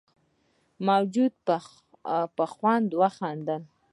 موجود په خوند وخندل.